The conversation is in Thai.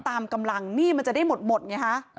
ตามกำลังหนี้มันจะได้หมดไงฮะ